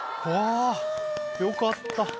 あぁよかった。